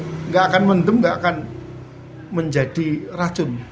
tidak akan mendem nggak akan menjadi racun